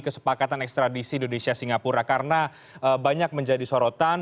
kesepakatan ekstradisi indonesia singapura karena banyak menjadi sorotan